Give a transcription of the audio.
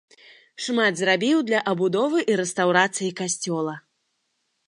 Шмат зрабіў для адбудовы і рэстаўрацыі касцёла.